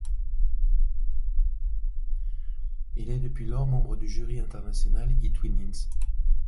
Elle est depuis lors membre du jury international eTwinnings.